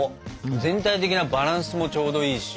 全体的なバランスもちょうどいいし。